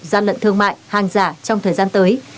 gian lận thương mại hàng giả trong thời gian tới